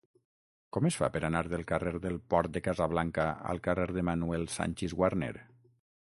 Com es fa per anar del carrer del Port de Casablanca al carrer de Manuel Sanchis Guarner?